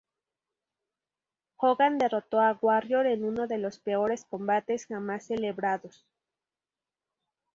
Hogan derrotó a Warrior en uno de los peores combates jamás celebrados".